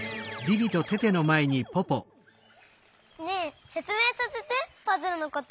ねえせつめいさせてパズルのこと。